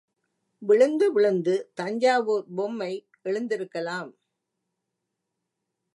விழுந்து விழுந்து, தஞ்சாவூர் பொம்மை எழுந்திருக்கலாம்.